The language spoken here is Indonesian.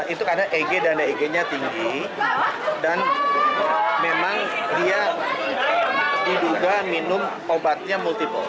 itu karena eg dan eg nya tinggi dan memang dia diduga minum obatnya multiple